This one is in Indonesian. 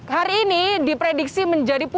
hari ini diprediksi menjadi